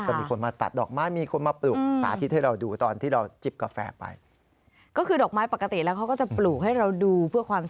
ก็มีคนมาตัดดอกไม้มีคนมาปลูกสาธิตให้เราดู